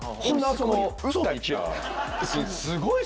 すごいわ！